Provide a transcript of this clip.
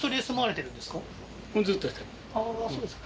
ああーそうですか